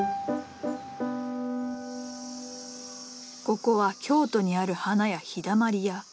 ここは京都にある花屋「陽だまり屋」。